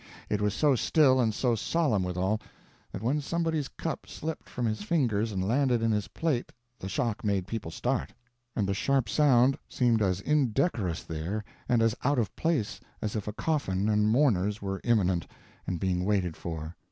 It was so still, and so solemn withal, that when somebody's cup slipped from his fingers and landed in his plate the shock made people start, and the sharp sound seemed as indecorous there and as out of place as if a coffin and mourners were imminent and being waited for.